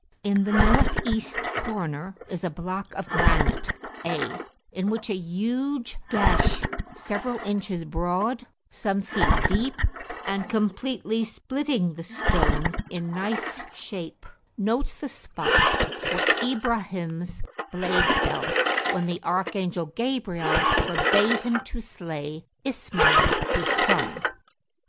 In the north east corner is a block of granite (A), in which a huge gash, several inches broad, some feet deep, and completely splitting the stone in knife shape, notes the spot where Ibrahims blade fell when the archangel Gabriel forbade him to slay Ismail his son.